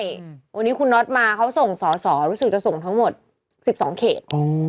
วันนี้คุณน็อตมาเขาส่งสอสอรู้สึกจะส่งทั้งหมด๑๒เขต